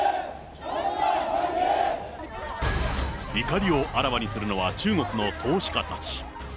怒りをあらわにするのは中国の投資家たち。